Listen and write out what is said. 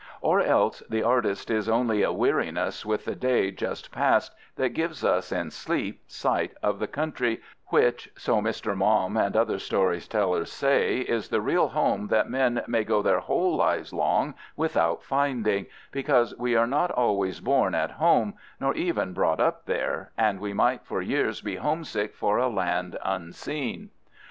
Or else the artist is only a weariness with the day just past that gives us in sleep sight of the country which, so Mr. Maugham and other story tellers say, is the real home that men may go their whole lives long without finding, because we are not always born at home, nor even brought up there, and we might for years be homesick for a land unseen.